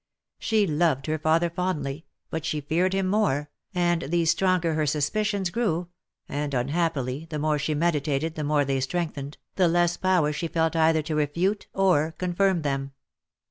She loved her father fondly, but she feared him more, and the stronger her suspicions grew (and un happily the more she meditated the more they strengthened), the less power she felt either to refute or confirm them.